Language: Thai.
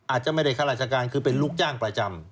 อาจจะไม่ได้ข้าราชการคือเป็นลูกจ้างประจำ